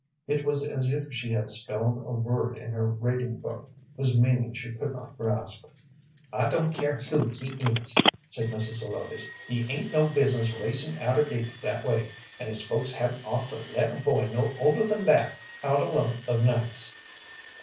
It was as if she had spelled a word in her reading book whose meaning she could not grasp. "I don't care who he is," said Mrs. Zelotes, "he 'ain't no business racin' out of gates that way, and his folks hadn't ought to let a boy no older than that out alone of nights."